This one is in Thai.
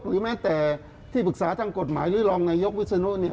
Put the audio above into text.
หรือแม้แต่ที่ปรึกษาทางกฎหมายฤยรองนายกวิสนุ้น